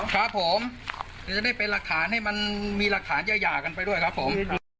จะได้เป็นรักฐานให้มันมีรักฐานยากันไปด้วยครับผม